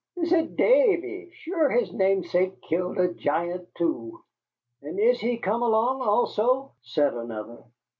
"Is it Davy? Sure his namesake killed a giant, too." "And is he come along, also?" said another.